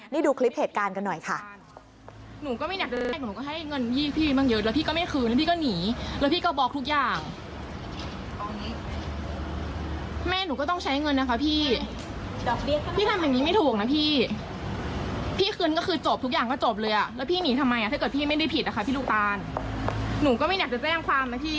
ดูคลิปเหตุการณ์กันหน่อยค่ะ